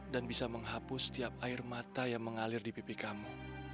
dan bisa menghapus setiap air mata yang mengalir di pipi kamu